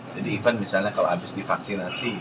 jadi misalnya kalau abis divaksinasi